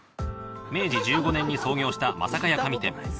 明治１５年に創業した間坂屋紙店。